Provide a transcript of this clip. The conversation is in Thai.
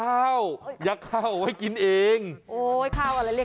แบบนี้คือแบบนี้คือแบบนี้คือแบบนี้คือ